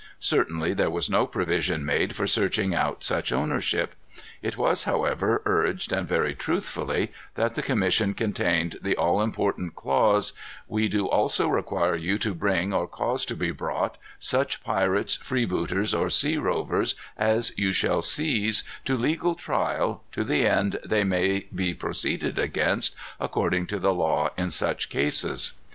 Certainly there was no provision made for searching out such ownership. It was, however, urged, and very truthfully, that the commission contained the all important clause: "We do also require you to bring, or cause to be brought, such pirates, freebooters, or sea rovers, as you shall seize, to legal trial, to the end they may be proceeded against according to the law in such cases."